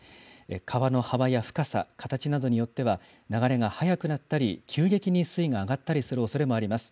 川の幅や深さ、形などによっては、流れがはやくなったり、急激に水位が上がったりするおそれもあります。